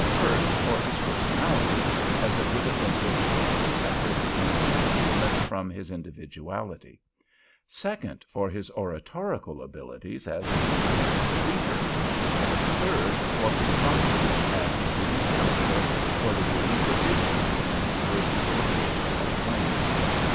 First, for his personality, as it would have been difficult to separate the Colonel's achievements from his individuality; second, for his oratorical abilities as a sympathetic pleader; and third, for his functions as the leading counsel for the Eureka Ditch Company versus the State of California.